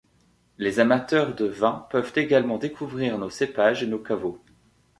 Les amateurs de vins peuvent également découvrir nos cépages et nos caveaux.